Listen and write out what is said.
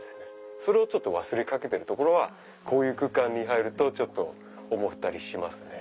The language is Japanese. それをちょっと忘れかけてるところはこういう空間に入ると思ったりしますね。